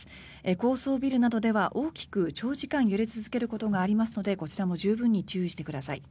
高層ビルなどでは大きく長時間揺れ続けることがありますのでこちらも十分に注意してください。